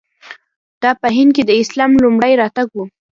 دا په هند کې د اسلام لومړی راتګ و.